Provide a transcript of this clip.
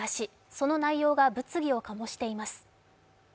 その内容が物議を醸しています。